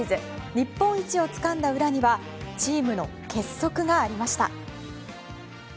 日本一をつかんだ裏にはチームの結束がありました。